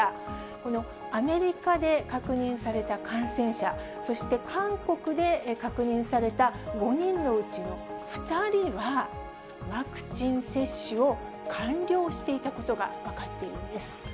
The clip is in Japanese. このアメリカで確認された感染者、そして韓国で確認された５人のうちの２人は、ワクチン接種を完了していたことが分かっているんです。